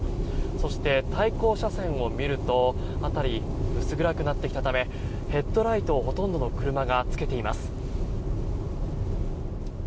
そして、対向車線を見ると辺り、薄暗くなってきたためヘッドライトをほとんどの車がつけています。